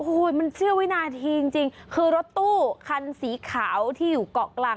โอ้โหมันเสี้ยววินาทีจริงคือรถตู้คันสีขาวที่อยู่เกาะกลาง